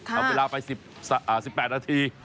ทำเวลาไป๑๘นาที